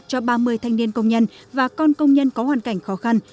cho ba mươi thanh niên công nhân và con công nhân có hoàn cảnh khó khăn